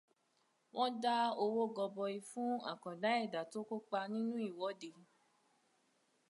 Wọ́n dá owó gọbọi fún àkàndá ẹ̀dá tó kópa nínú ìwọ́de.